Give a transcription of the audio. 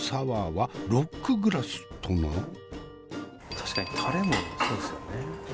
確かにタレもそうですよね。